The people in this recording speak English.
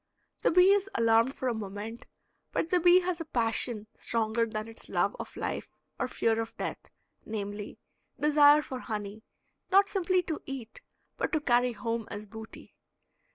The bee is alarmed for a moment, but the bee has a passion stronger than its love of life or fear of death, namely, desire for honey, not simply to eat, but to carry home as booty.